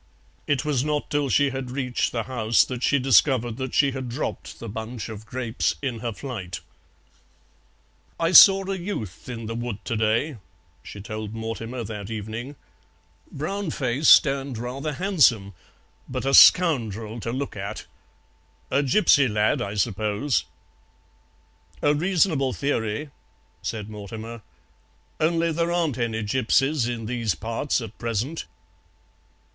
It was not till she had reached the house that she discovered that she had dropped the bunch of grapes in her flight. "I saw a youth in the wood to day," she told Mortimer that evening, "brown faced and rather handsome, but a scoundrel to look at. A gipsy lad, I suppose." "A reasonable theory," said Mortimer, "only there aren't any gipsies in these parts at present."